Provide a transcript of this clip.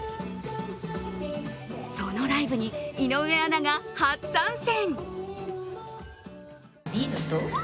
そのライブに、井上アナが初参戦。